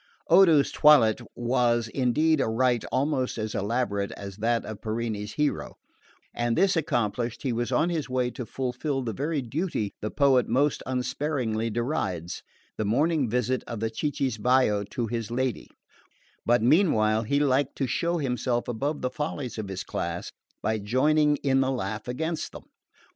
Odo's toilet was indeed a rite almost as elaborate as that of Parini's hero; and this accomplished, he was on his way to fulfil the very duty the poet most unsparingly derides: the morning visit of the cicisbeo to his lady; but meanwhile he liked to show himself above the follies of his class by joining in the laugh against them.